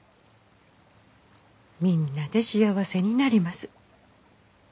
「みんなで幸せになります」。